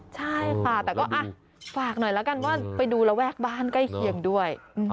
ใช่ค่ะแต่ก็ฝากหน่อยแล้วกันว่าไปดูระแวกบ้านใกล้เคียงด้วย